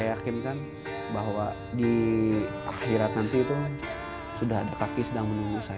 dan saya yakin kan bahwa di akhirat nanti itu sudah ada kaki sedang menunggu saya